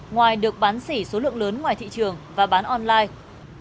ngoài được bán xỉ số lượng lớn ngoài thị trường và bán online